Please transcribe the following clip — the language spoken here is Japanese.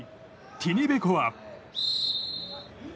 ティニベコワ。